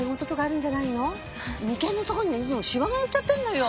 眉間の所にねいつもシワが寄っちゃってるのよ。